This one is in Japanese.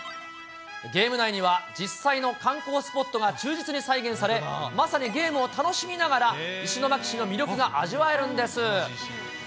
ゲーム内には、実際の観光スポットが忠実に再現され、まさにゲームを楽しみながら、石巻市の魅力が味わえるんです。